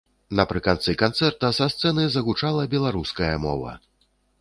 Напрыканцы канцэрта са сцэны загучала беларуская мова!